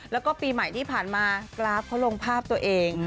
แล้วก็ปีใหม่ที่ผ่านมากราฟเขาลงภาพตัวเอง